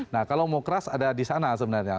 nah kalau mau keras ada di sana sebenarnya